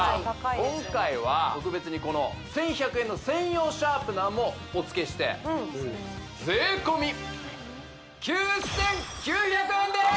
今回は特別にこの１１００円の専用シャープナーもおつけして税込９９００円です